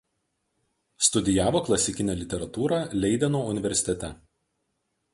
Studijavo klasikinę literatūrą Leideno universitete.